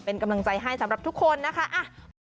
เป็นกำลังใจให้สำหรับทุกคนนะคะ